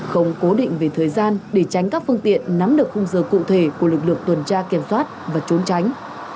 không cố định về thời gian để tránh các phương tiện nắm được khung giờ cụ thể của lực lượng tuần tra kiểm soát và trốn tránh